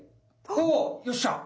およっしゃ！